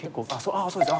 ああそうです。